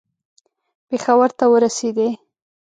پېښور ته ورسېدی.